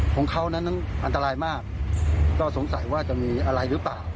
ของเขานั้นอันตรายมากก็สงสัยว่าจะมีอะไรหรือเปล่า